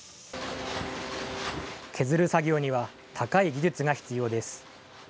削る作業には、高い技術が必要です。